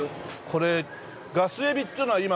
これガスエビっていうのは今お高いの？